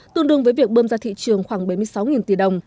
tương đương với việc bơm ra thị trường khoảng bảy mươi sáu tỷ đồng